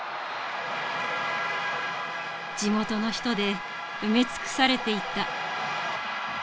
地元の人で埋め尽くされていた。